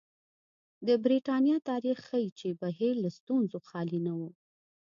د برېټانیا تاریخ ښيي چې بهیر له ستونزو خالي نه و.